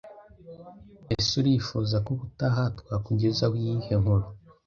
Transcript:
Ese urifuza ko ubutaha twakugezaho iyihe nkuru